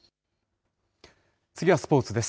次はスポーツです。